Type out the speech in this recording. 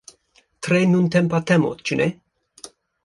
Tre nuntempa temo, ĉu ne?